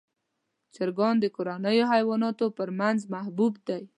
چرګان د کورنیو حیواناتو تر منځ محبوب دي.